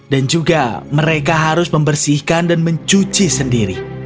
dan juga mereka harus membersihkan dan mencuci sendiri